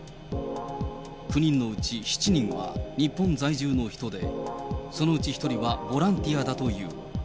９人のうち７人は日本在住の人で、そのうち１人はボランティアだという。